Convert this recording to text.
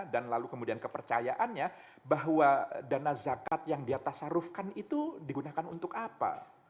dan kemudian kepercayaannya bahwa dana zakat yang diatasarufkan itu digunakan untuk apa